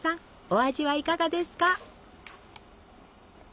お味はいかがですか？